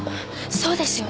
そうですよね。